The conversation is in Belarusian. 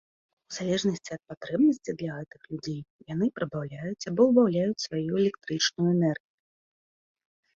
У залежнасці ад патрэбнасцей для гэтых людзей, яны прыбаўляюць або ўбаўляюць сваю электрычную энергію.